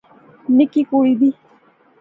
نکی کڑی دی